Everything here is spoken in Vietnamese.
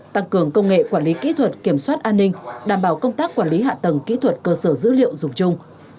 tăng cường công nghệ quản lý kỹ thuật kiểm soát an ninh đảm bảo công tác quản lý hạ tầng kỹ thuật cơ sở dữ liệu dùng chung